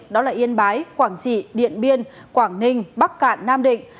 đó là yên bái quảng trị điện biên quảng ninh bắc cạn nam định